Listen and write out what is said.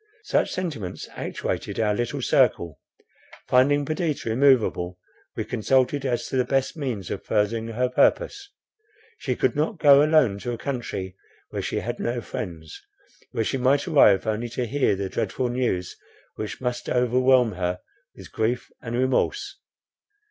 Such sentiments actuated our little circle. Finding Perdita immoveable, we consulted as to the best means of furthering her purpose. She could not go alone to a country where she had no friends, where she might arrive only to hear the dreadful news, which must overwhelm her with grief and remorse.